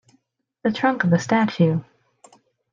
The trunk of a statue.